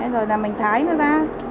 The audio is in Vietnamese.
rồi là mình thái nó ra